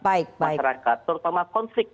masyarakat terutama konflik